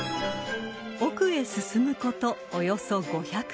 ［奥へ進むことおよそ５００ｍ］